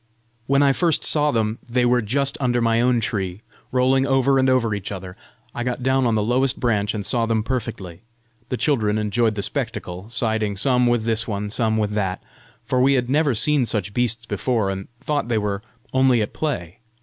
When first I saw them, they were just under my own tree, rolling over and over each other. I got down on the lowest branch, and saw them perfectly. The children enjoyed the spectacle, siding some with this one, some with that, for we had never seen such beasts before, and thought they were only at play.